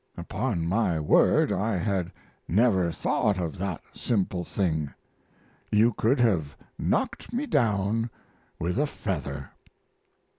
Upon my word, I had never thought of that simple thing! You could have knocked me down with a feather.